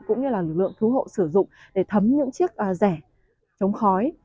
cũng như là lực lượng cứu hộ sử dụng để thấm những chiếc rẻ chống khói